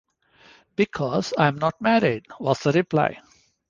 'Because I am not married,' was the reply.